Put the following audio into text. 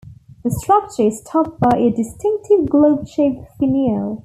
The structure is topped by a distinctive globe-shaped finial.